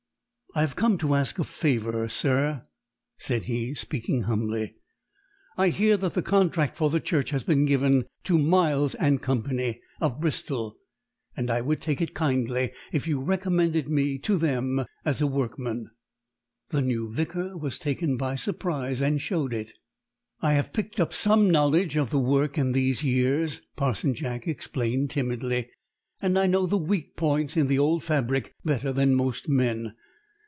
"I have come to ask a favour, sir," said he, speaking humbly. "I hear that the contract for the church has been given to Miles & Co., of Bristol; and I would take it kindly if you recommended me to them as a workman." The new Vicar was taken by surprise, and showed it. "I have picked up some knowledge of the work in these years," Parson Jack explained timidly. "And I know the weak points in the old fabric better than most men.